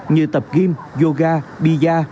như tập game yoga bia